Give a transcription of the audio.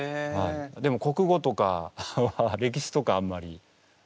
でも国語とか歴史とかはあんまり。